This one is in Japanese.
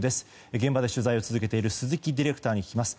現場で取材を続けている鈴木ディレクターに聞きます。